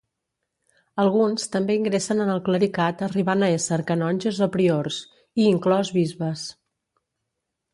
Alguns també ingressen en el clericat arribant a ésser canonges o priors, i inclòs bisbes.